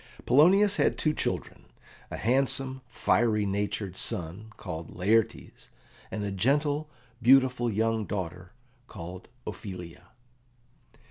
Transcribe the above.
Polonius had two children a handsome, fiery natured son called Laertes, and a gentle, beautiful young daughter called Ophelia.